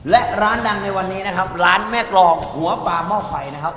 และร้านดังในวันนี้นะครับร้านแม่กรองหัวปลาหม้อไฟนะครับ